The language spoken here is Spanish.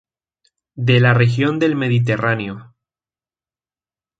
De la región del Mediterráneo.